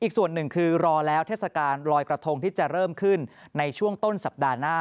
อีกส่วนหนึ่งคือรอแล้วเทศกาลลอยกระทงที่จะเริ่มขึ้นในช่วงต้นสัปดาห์หน้า